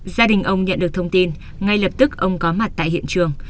gia đình ông nhận được thông tin ngay lập tức ông có mặt tại hiện trường